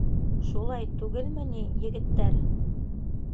Шулай түгелме ни, егеттәр?